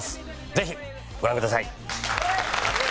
ぜひご覧ください。